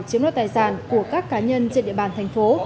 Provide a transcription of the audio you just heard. chiếm đoạt tài sản của các cá nhân trên địa bàn thành phố